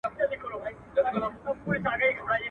د خپل يار له وينو څوك ايږدي خالونه.